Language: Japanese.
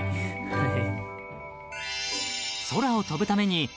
はい。